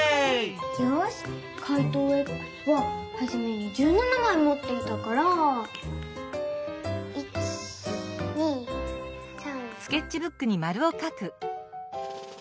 よし怪盗Ｘははじめに１７まいもっていたから１２３１６１７。